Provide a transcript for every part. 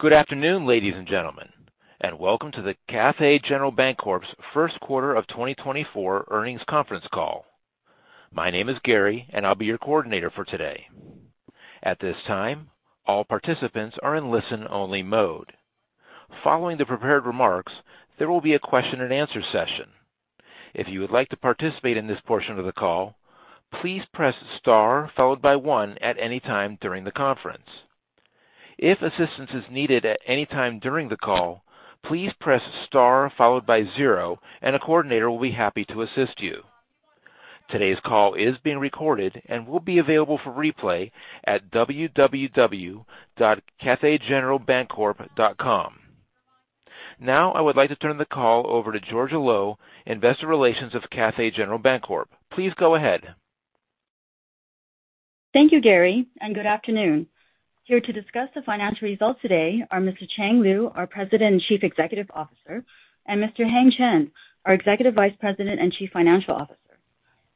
Good afternoon, ladies and gentlemen, and welcome to the Cathay General Bancorp's first quarter of 2024 earnings conference call. My name is Gary, and I'll be your coordinator for today. At this time, all participants are in listen-only mode. Following the prepared remarks, there will be a question and answer session. If you would like to participate in this portion of the call, please press star followed by one at any time during the conference. If assistance is needed at any time during the call, please press star followed by zero, and a coordinator will be happy to assist you. Today's call is being recorded and will be available for replay at www.cathaygeneralbancorp.com. Now, I would like to turn the call over to Georgia Lo, Investor Relations of Cathay General Bancorp. Please go ahead. Thank you, Gary, and good afternoon. Here to discuss the financial results today are Mr. Chang Liu, our President and Chief Executive Officer, and Mr. Heng Chen, our Executive Vice President and Chief Financial Officer.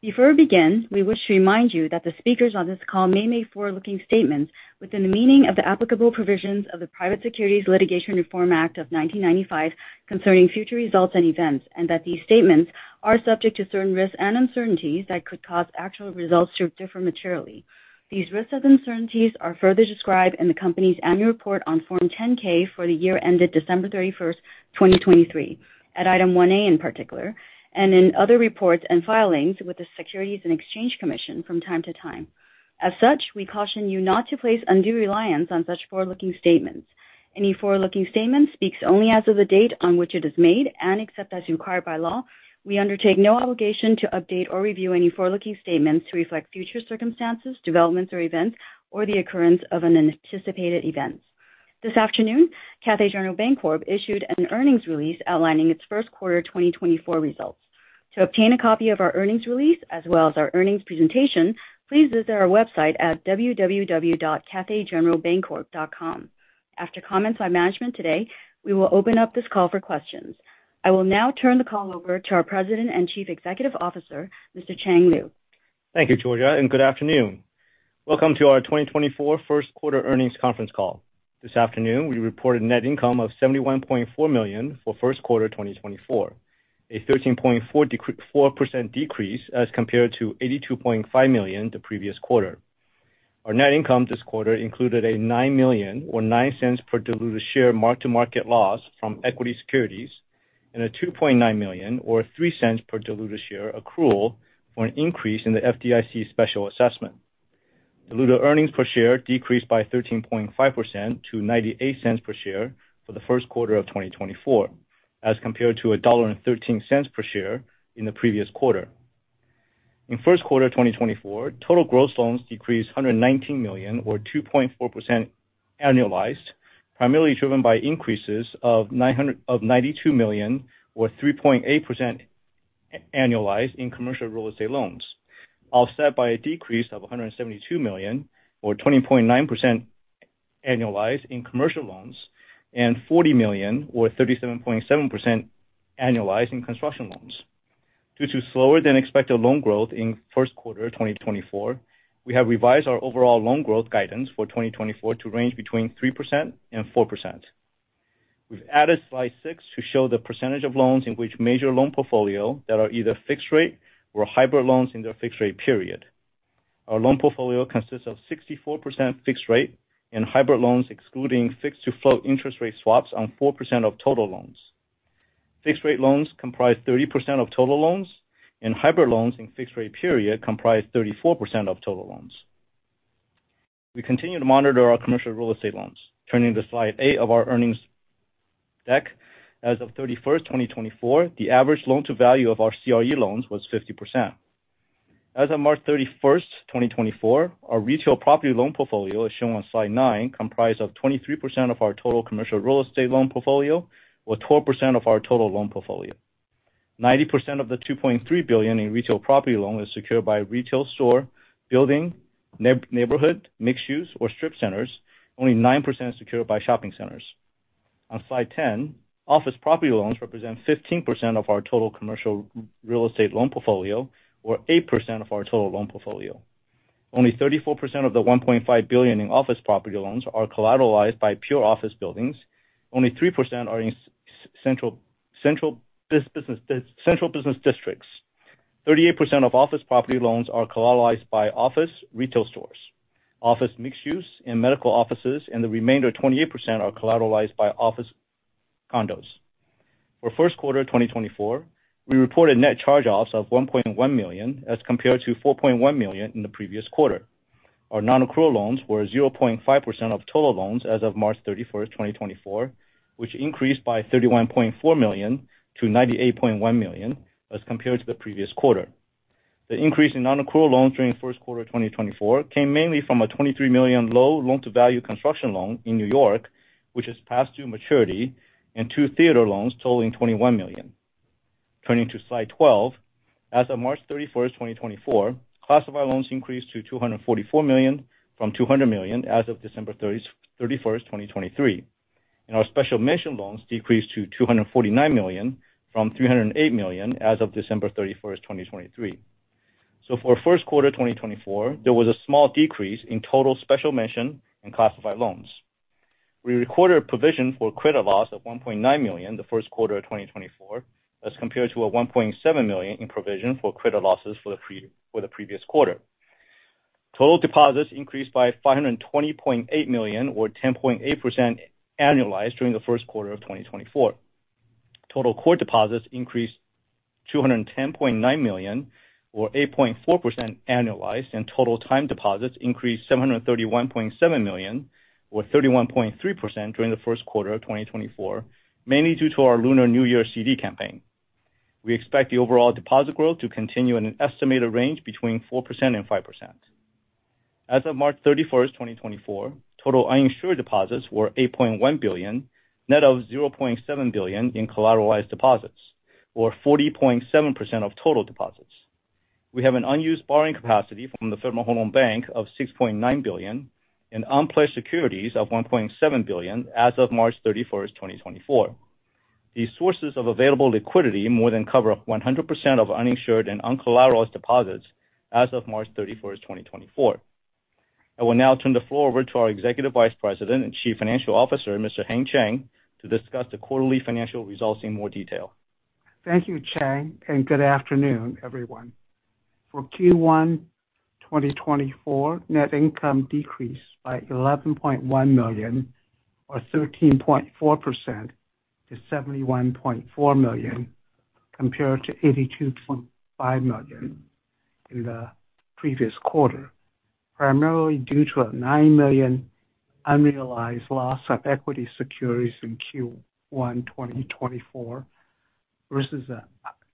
Before we begin, we wish to remind you that the speakers on this call may make forward-looking statements within the meaning of the applicable provisions of the Private Securities Litigation Reform Act of 1995 concerning future results and events, and that these statements are subject to certain risks and uncertainties that could cause actual results to differ materially. These risks and uncertainties are further described in the company's annual report on Form 10-K for the year ended December 31, 2023, at Item 1A in particular, and in other reports and filings with the Securities and Exchange Commission from time to time. As such, we caution you not to place undue reliance on such forward-looking statements. Any forward-looking statement speaks only as of the date on which it is made, and except as required by law, we undertake no obligation to update or review any forward-looking statements to reflect future circumstances, developments, or events, or the occurrence of unanticipated events. This afternoon, Cathay General Bancorp issued an earnings release outlining its first quarter 2024 results. To obtain a copy of our earnings release, as well as our earnings presentation, please visit our website at www.cathaygeneralbancorp.com. After comments by management today, we will open up this call for questions. I will now turn the call over to our President and Chief Executive Officer, Mr. Chang Liu. Thank you, Georgia, and good afternoon. Welcome to our 2024 first quarter earnings conference call. This afternoon, we reported net income of $71.4 million for first quarter 2024, a 13.4% decrease as compared to $82.5 million the previous quarter. Our net income this quarter included a $9 million or $0.09 per diluted share mark-to-market loss from equity securities and a $2.9 million or $0.03 per diluted share accrual for an increase in the FDIC special assessment. Diluted earnings per share decreased by 13.5% to $0.98 per share for the first quarter of 2024, as compared to $1.13 per share in the previous quarter. In first quarter 2024, total gross loans decreased $119 million, or 2.4% annualized, primarily driven by increases of $92 million, or 3.8% annualized in commercial real estate loans, offset by a decrease of $172 million, or 20.9% annualized in commercial loans, and $40 million, or 37.7% annualized in construction loans. Due to slower than expected loan growth in first quarter 2024, we have revised our overall loan growth guidance for 2024 to range between 3% and 4%. We've added slide 6 to show the percentage of loans in each major loan portfolio that are either fixed rate or hybrid loans in their fixed rate period. Our loan portfolio consists of 64% fixed rate and hybrid loans, excluding fixed to float interest rate swaps on 4% of total loans. Fixed rate loans comprise 30% of total loans, and hybrid loans in fixed rate period comprise 34% of total loans. We continue to monitor our commercial real estate loans. Turning to slide 8 of our earnings deck, as of March 31, 2024, the average loan-to-value of our CRE loans was 50%. As of March 31, 2024, our retail property loan portfolio, as shown on slide 9, comprised of 23% of our total commercial real estate loan portfolio, or 12% of our total loan portfolio. 90% of the $2.3 billion in retail property loan is secured by retail store, building, neighborhood, mixed use, or strip centers, only 9% is secured by shopping centers. On slide 10, office property loans represent 15% of our total commercial real estate loan portfolio or 8% of our total loan portfolio. Only 34% of the $1.5 billion in office property loans are collateralized by pure office buildings. Only 3% are in central business districts. Thirty-eight percent of office property loans are collateralized by office retail stores, office mixed-use and medical offices, and the remainder, 28%, are collateralized by office condos. For first quarter 2024, we reported net charge-offs of $1.1 million as compared to $4.1 million in the previous quarter. Our nonaccrual loans were 0.5% of total loans as of March 31, 2024, which increased by $31.4 million to $98.1 million as compared to the previous quarter. The increase in nonaccrual loans during the first quarter of 2024 came mainly from a $23 million low loan-to-value construction loan in New York, which is past due maturity, and two theater loans totaling $21 million. Turning to slide 12, as of March 31, 2024, classified loans increased to $244 million from $200 million as of December 31, 2023, and our special mention loans decreased to $249 million from $308 million as of December 31, 2023. So for first quarter 2024, there was a small decrease in total special mention and classified loans. We recorded a provision for credit loss of $1.9 million in the first quarter of 2024, as compared to a $1.7 million provision for credit losses for the previous quarter. Total deposits increased by $520.8 million, or 10.8% annualized, during the first quarter of 2024. Total core deposits increased $210.9 million, or 8.4% annualized, and total time deposits increased $731.7 million, or 31.3%, during the first quarter of 2024, mainly due to our Lunar New Year CD campaign. We expect the overall deposit growth to continue in an estimated range between 4% and 5%. As of March 31st, 2024, total uninsured deposits were $8.1 billion, net of $0.7 billion in collateralized deposits, or 40.7% of total deposits. We have an unused borrowing capacity from the Federal Home Loan Bank of $6.9 billion and unpledged securities of $1.7 billion as of March 31st, 2024. These sources of available liquidity more than cover 100% of uninsured and uncollateralized deposits as of March 31st, 2024. I will now turn the floor over to our Executive Vice President and Chief Financial Officer, Mr. Heng Chen, to discuss the quarterly financial results in more detail. Thank you, Chang, and good afternoon, everyone. For Q1 2024, net income decreased by $11.1 million, or 13.4%, to $71.4 million, compared to $82.5 million in the previous quarter, primarily due to a $9 million unrealized loss of equity securities in Q1 2024, versus a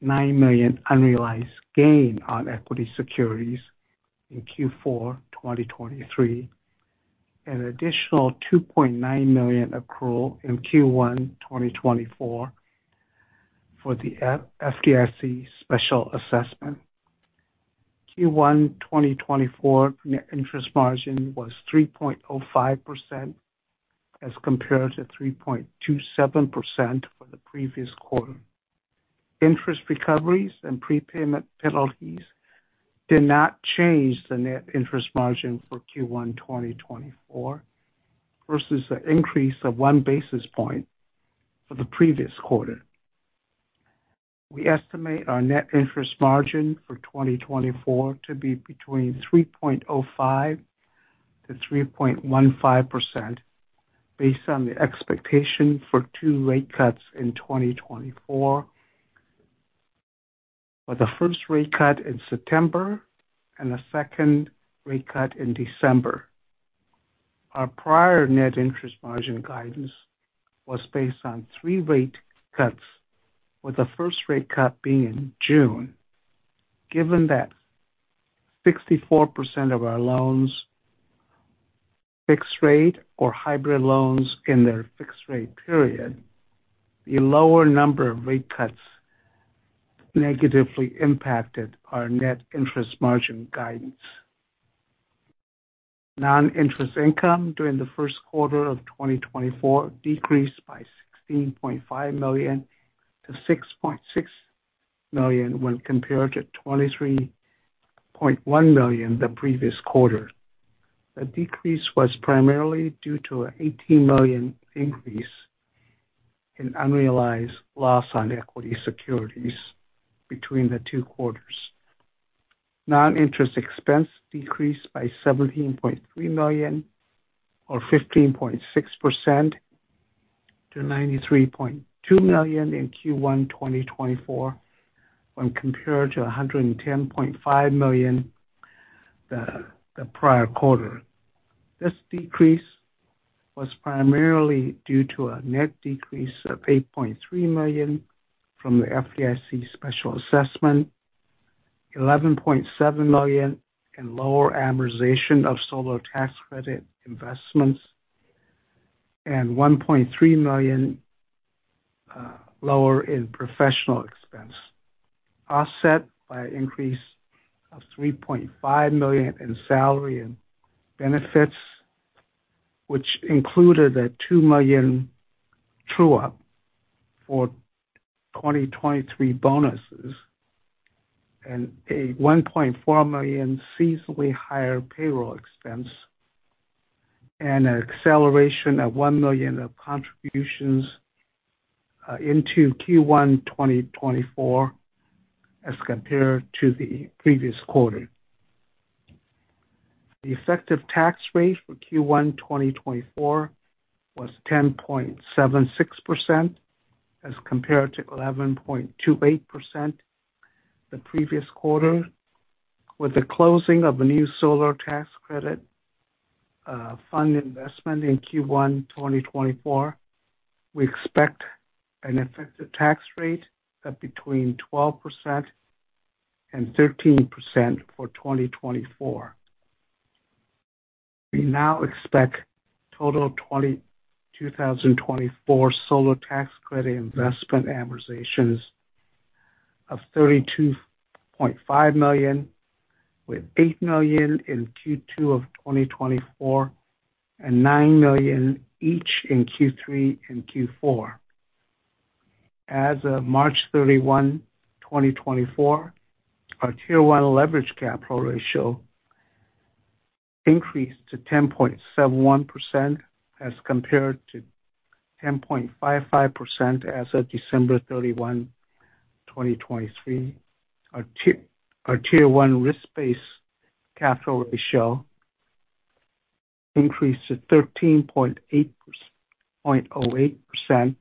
$9 million unrealized gain on equity securities in Q4 2023. An additional $2.9 million accrual in Q1 2024 for the FDIC special assessment. Q1 2024 net interest margin was 3.05%, as compared to 3.27% for the previous quarter. Interest recoveries and prepayment penalties did not change the net interest margin for Q1 2024, versus an increase of 1 basis point for the previous quarter. We estimate our net interest margin for 2024 to be between 3.05%-3.15% based on the expectation for 2 rate cuts in 2024, with the first rate cut in September and the second rate cut in December. Our prior net interest margin guidance was based on 3 rate cuts, with the first rate cut being in June. Given that 64% of our loans, fixed rate or hybrid loans in their fixed rate period, the lower number of rate cuts negatively impacted our net interest margin guidance. Non-interest income during the first quarter of 2024 decreased by $16.5 million to $6.6 million when compared to $23.1 million the previous quarter. The decrease was primarily due to an $18 million increase in unrealized loss on equity securities between the two quarters. Non-interest expense decreased by $17.3 million, or 15.6%, to $93.2 million in Q1 2024, when compared to $110.5 million the prior quarter. This decrease was primarily due to a net decrease of $8.3 million from the FDIC special assessment, $11.7 million in lower amortization of solar tax credit investments, and $1.3 million lower in professional expense, offset by an increase of $3.5 million in salary and benefits, which included a $2 million true-up for 2023 bonuses and a $1.4 million seasonally higher payroll expense and an acceleration of $1 million of contributions into Q1 2024 as compared to the previous quarter. The effective tax rate for Q1 2024 was 10.76%, as compared to 11.28% the previous quarter. With the closing of the new solar tax credit fund investment in Q1 2024, we expect an effective tax rate of between 12% and 13% for 2024. We now expect total 2024 solar tax credit investment amortizations of $32.5 million, with $8 million in Q2 of 2024 and $9 million each in Q3 and Q4 as of March 31, 2024, our Tier One leverage capital ratio increased to 10.71% as compared to 10.55% as of December 31, 2023. Our Tier One risk-based capital ratio increased to 13.08%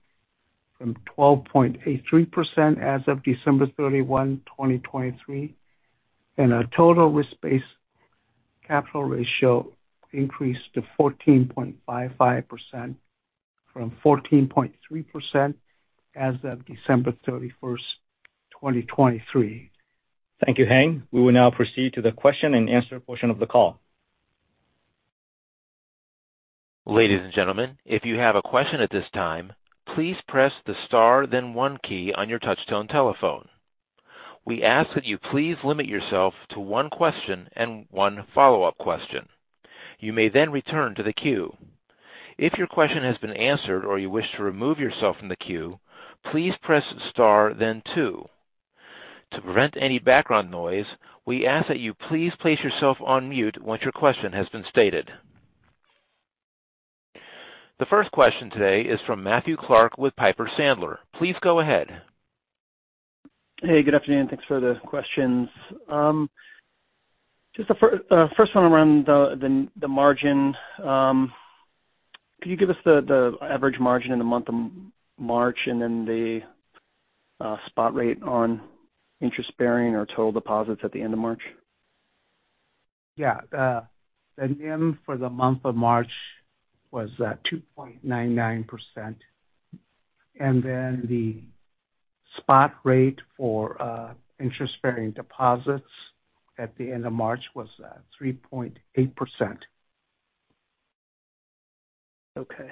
from 12.83% as of December 31, 2023, and our total risk-based capital ratio increased to 14.55% from 14.3% as of December 31, 2023. Thank you, Heng. We will now proceed to the question and answer portion of the call. Ladies and gentlemen, if you have a question at this time, please press the star then one key on your touch-tone telephone. We ask that you please limit yourself to one question and one follow-up question. You may then return to the queue. If your question has been answered or you wish to remove yourself from the queue, please press star then two. To prevent any background noise, we ask that you please place yourself on mute once your question has been stated. The first question today is from Matthew Clark with Piper Sandler. Please go ahead. Hey, good afternoon, thanks for the questions. Just the first one around the margin. Could you give us the average margin in the month of March and then the spot rate on interest-bearing or total deposits at the end of March? Yeah. The NIM for the month of March was 2.99%, and then the spot rate for interest-bearing deposits at the end of March was 3.8%. Okay.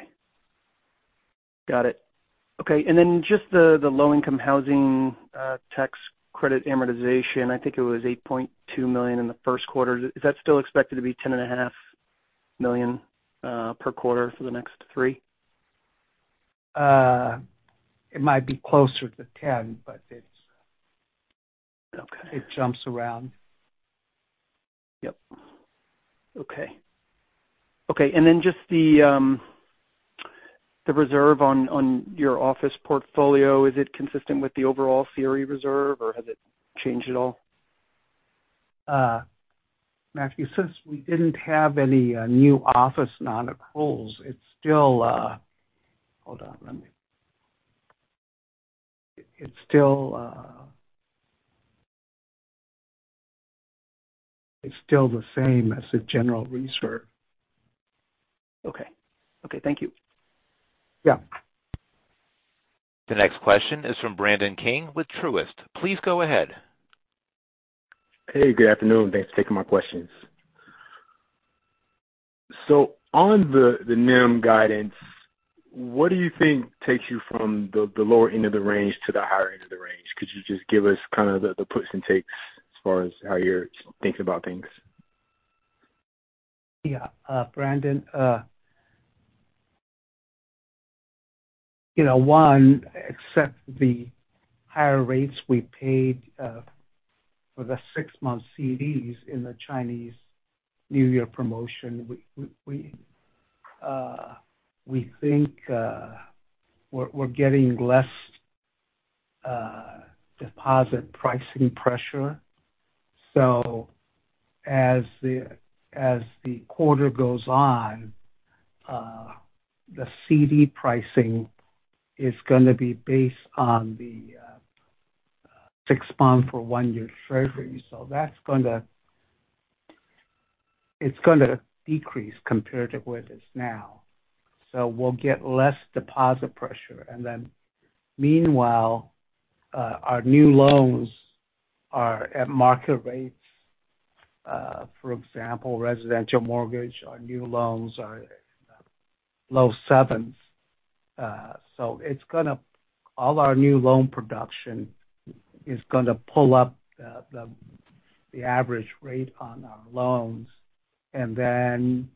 Got it. Okay, and then just the low-income housing tax credit amortization, I think it was $8.2 million in the first quarter. Is that still expected to be $10.5 million per quarter for the next three? It might be closer to 10, but it's- Okay. It jumps around. Yep. Okay. Okay, and then just the reserve on your office portfolio, is it consistent with the overall CRE reserve, or has it changed at all? Matthew, since we didn't have any new office nonaccruals, it's still the same as the general reserve. Okay. Okay, thank you. Yeah. The next question is from Brandon King with Truist. Please go ahead. Hey, good afternoon. Thanks for taking my questions. So on the NIM guidance, what do you think takes you from the lower end of the range to the higher end of the range? Could you just give us kind of the puts and takes as far as how you're thinking about things? Yeah. Brandon, you know, one, except the higher rates we paid for the six-month CDs in the Chinese New Year promotion, we think we're getting less deposit pricing pressure. So as the quarter goes on, the CD pricing is gonna be based on the six-month or one-year Treasury. So that's gonna—it's gonna decrease compared to where it is now. So we'll get less deposit pressure, and then meanwhile, our new loans are at market rates. For example, residential mortgage, our new loans are low sevens. So it's gonna... All our new loan production is gonna pull up the average rate on our loans, and then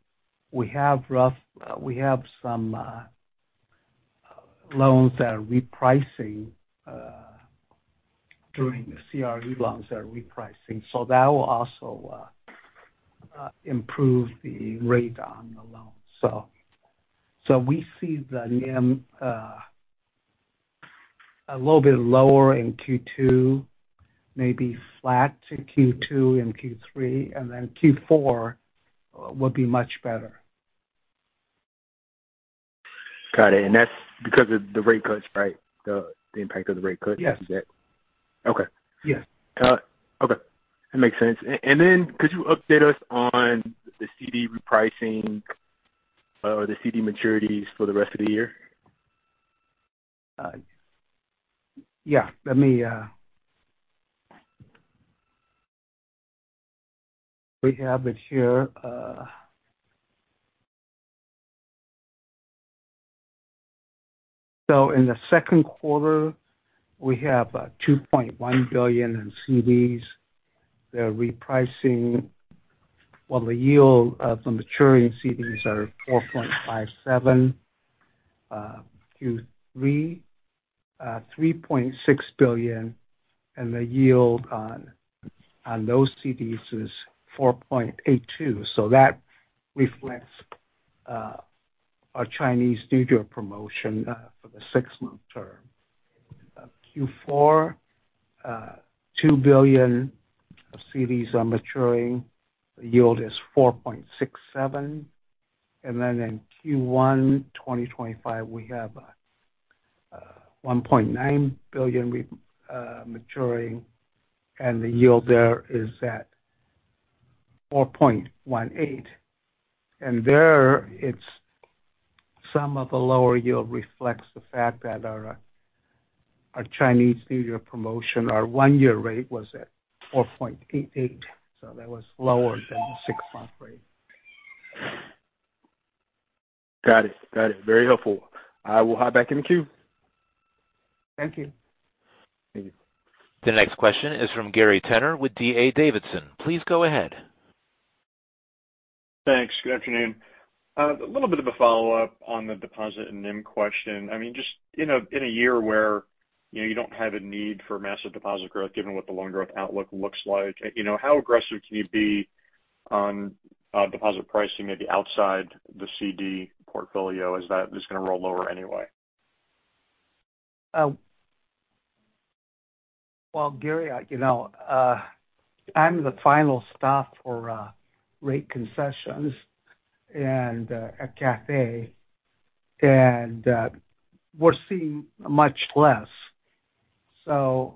we have some loans that are repricing during the CRE loans that are repricing, so that will also improve the rate on the loan. So we see the NIM a little bit lower in Q2, maybe flat to Q2 and Q3, and then Q4 will be much better. Got it. And that's because of the rate cuts, right? The impact of the rate cuts. Yes. Is it? Okay. Yes. Okay, that makes sense. And then could you update us on the CD repricing, or the CD maturities for the rest of the year? Yeah, let me. We have it here. So in the second quarter, we have $2.1 billion in CDs. They're repricing... Well, the yield of the maturing CDs are 4.57, Q3, $3.6 billion, and the yield on those CDs is 4.82. So that reflects our Chinese New Year promotion for the six-month term. Q4, $2 billion of CDs are maturing. The yield is 4.67, and then in Q1 2025, we have $1.9 billion maturing, and the yield there is at 4.18. And there it's some of the lower yield reflects the fact that our Chinese New Year promotion, our one-year rate was at 4.88, so that was lower than the six-month rate. Got it. Got it. Very helpful. I will hop back in the queue. Thank you. Thank you. The next question is from Gary Tenner with D.A. Davidson. Please go ahead. Thanks. Good afternoon. A little bit of a follow-up on the deposit and NIM question. I mean, just in a, in a year where, you know, you don't have a need for massive deposit growth, given what the loan growth outlook looks like, you know, how aggressive can you be on, deposit pricing maybe outside the CD portfolio, as that is gonna roll lower anyway? Well, Gary, you know, I'm the final stop for rate concessions and at Cathay, and we're seeing much less. So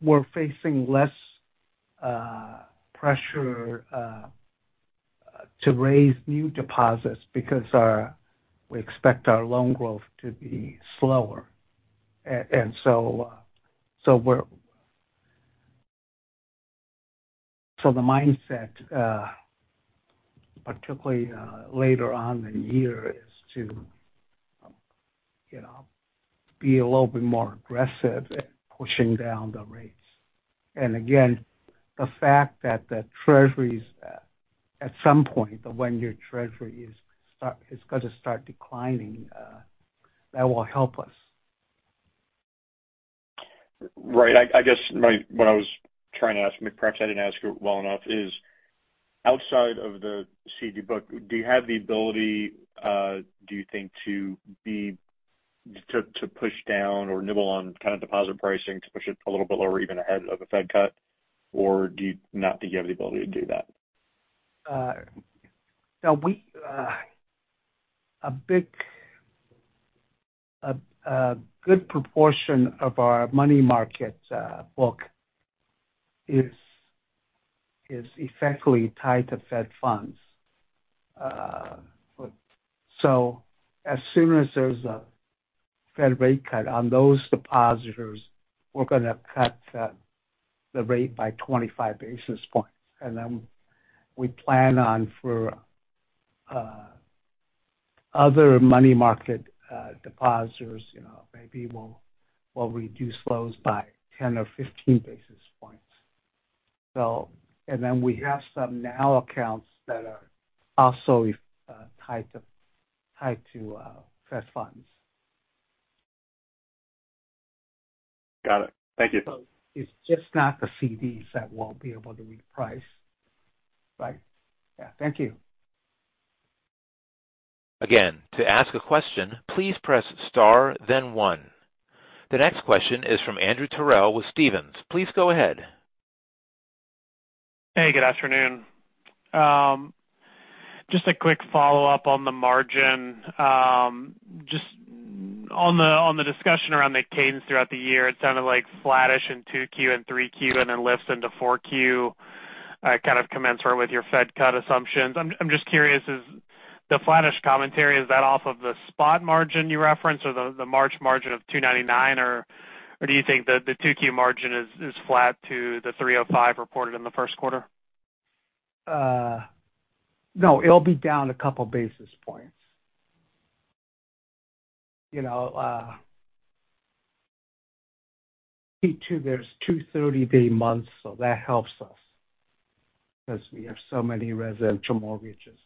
we're facing less pressure to raise new deposits because we expect our loan growth to be slower. And so the mindset, particularly later on in the year, is to, you know, be a little bit more aggressive at pushing down the rates. And again, the fact that the treasuries at some point, the one-year treasury is gonna start declining, that will help us. Right. I guess what I was trying to ask, perhaps I didn't ask it well enough, is outside of the CD book, do you have the ability, do you think, to push down or nibble on kind of deposit pricing to push it a little bit lower even ahead of a Fed cut? Or do you not think you have the ability to do that? Now we a big, a good proportion of our money market book is effectively tied to Fed funds. So as soon as there's a Fed rate cut on those depositors, we're gonna cut the rate by 25 basis points. And then we plan on for other money market depositors, you know, maybe we'll reduce those by 10 or 15 basis points. So and then we have some now accounts that are also tied to Fed funds. Got it. Thank you. It's just not the CDs that won't be able to reprice. Right. Yeah. Thank you. Again, to ask a question, please press star, then one. The next question is from Andrew Terrell with Stephens. Please go ahead. Hey, good afternoon. Just a quick follow-up on the margin. Just on the discussion around the cadence throughout the year, it sounded like flattish in 2Q and 3Q, and then lifts into 4Q, kind of commensurate with your Fed cut assumptions. I'm just curious, is the flattish commentary, is that off of the spot margin you referenced or the March margin of 2.99, or do you think that the 2Q margin is flat to the 3.05 reported in the first quarter? No, it'll be down a couple basis points. You know, Q2, there's two thirty-day months, so that helps us, because we have so many residential mortgages,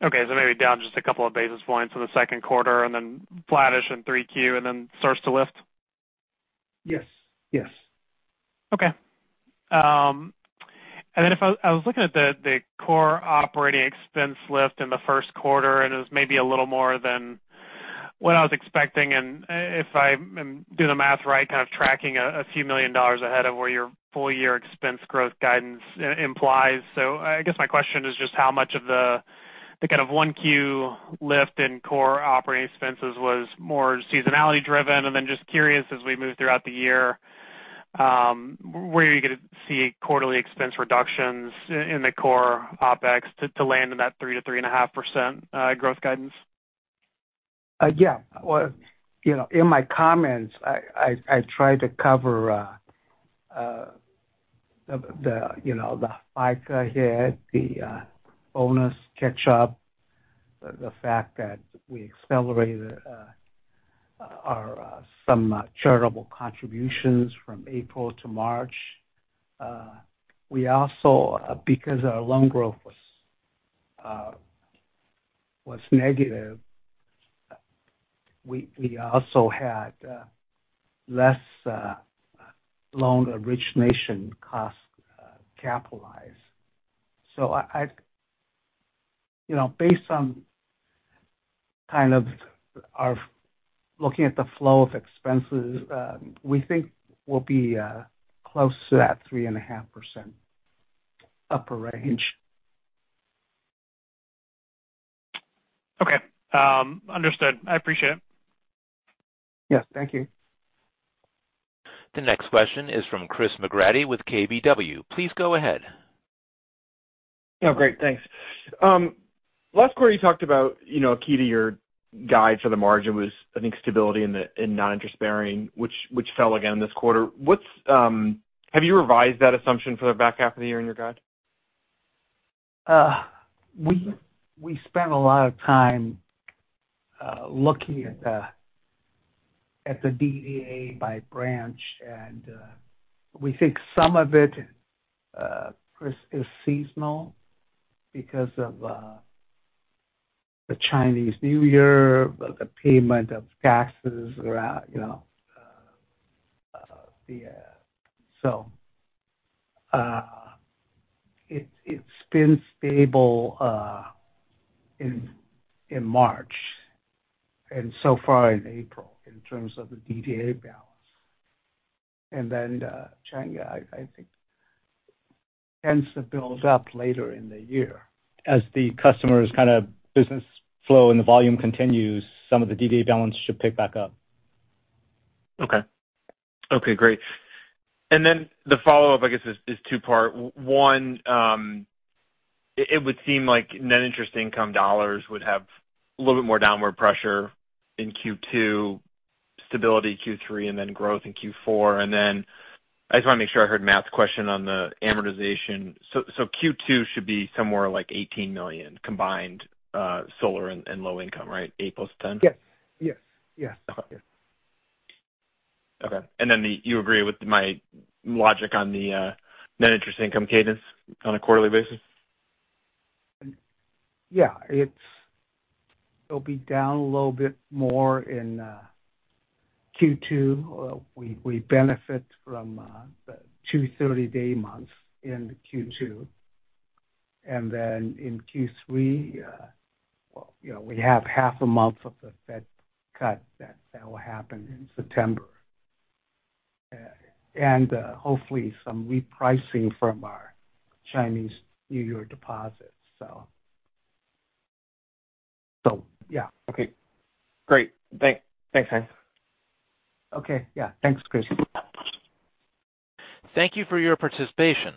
in. Okay, so maybe down just a couple of basis points in the second quarter, and then flattish in three Q, and then starts to lift? Yes. Yes. Okay. And then if I was looking at the core operating expense lift in the first quarter, and it was maybe a little more than what I was expecting, and if I do the math right, kind of tracking $a few million ahead of where your full year expense growth guidance implies. So I guess my question is just how much of the kind of Q1 lift in core operating expenses was more seasonality driven? And then just curious, as we move throughout the year, where are you gonna see quarterly expense reductions in the core OpEx to land in that 3%-3.5% growth guidance? Yeah. Well, you know, in my comments, I tried to cover, you know, the FDIC hit, the bonus catch up, the fact that we accelerated our some charitable contributions from April to March. We also, because our loan growth was negative, we also had less loan origination cost capitalized. So I, you know, based on kind of our looking at the flow of expenses, we think we'll be close to that 3.5% upper range. Okay. Understood. I appreciate it. Yes, thank you. The next question is from Chris McGratty with KBW. Please go ahead. Oh, great. Thanks. Last quarter, you talked about, you know, key to your guide for the margin was, I think, stability in the non-interest-bearing, which fell again this quarter. What's, have you revised that assumption for the back half of the year in your guide? We spent a lot of time looking at the DDA by branch, and we think some of it, Chris, is seasonal because of the Chinese New Year, the payment of taxes, around, you know. So, it's been stable in March and so far in April in terms of the DDA balance. And then, China, I think, tends to build up later in the year. As the customers' kind of business flow and the volume continues, some of the DDA balance should pick back up. Okay. Okay, great. And then the follow-up, I guess, is two-part. One, it would seem like net interest income dollars would have a little bit more downward pressure in Q2, stability Q3, and then growth in Q4. And then I just want to make sure I heard Matt's question on the amortization. So Q2 should be somewhere like $18 million combined, solar and low-income, right? 8 + 10. Yes. Yes. Yeah. Okay. And then the, you agree with my logic on the net interest income cadence on a quarterly basis? Yeah, it's, it'll be down a little bit more in Q2. We benefit from the two thirty-day months in Q2. And then in Q3, well, you know, we have half a month of the Fed cut. That will happen in September. And hopefully some repricing from our Chinese New Year deposits. So yeah. Okay, great. Thanks, Heng. Okay. Yeah. Thanks, Chris. Thank you for your participation.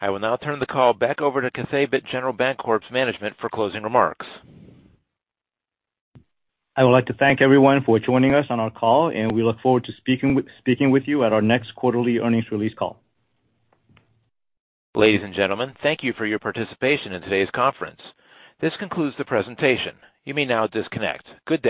I will now turn the call back over to Cathay General Bancorp's management for closing remarks. I would like to thank everyone for joining us on our call, and we look forward to speaking with you at our next quarterly earnings release call. Ladies and gentlemen, thank you for your participation in today's conference. This concludes the presentation. You may now disconnect. Good day.